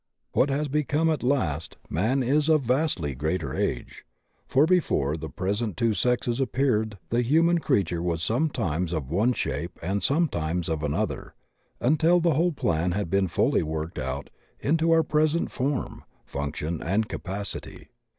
What has become at last man is of vastly greater age, for before the present two sexes appeared the human creature was sometimes of one shape and sometimes TH£ REAL AGE OF MAN 21 of another, until the whole plan had been fully worked out into our present form, function, and capacity.